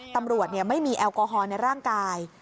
ตำรวจไม่มีแอลกอฮอล์ในร่างกาย